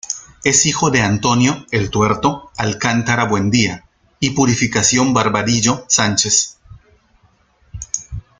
Es hijo de Antonio "el Tuerto" Alcántara Buendía y Purificación Barbadillo Sánchez.